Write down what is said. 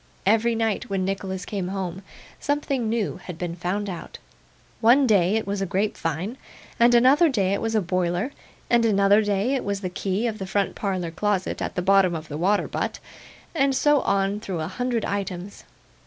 Every night when Nicholas came home, something new had been found out. One day it was a grapevine, and another day it was a boiler, and another day it was the key of the front parlour closet at the bottom of the water butt, and so on through a hundred items.